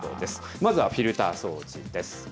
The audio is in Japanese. まずはフィルター掃除です。